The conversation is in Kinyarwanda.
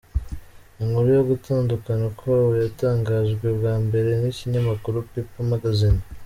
Inkuru yo gutandukana kwabo, yatangajwe bwa mbere n’ikinyamakuru people magazine.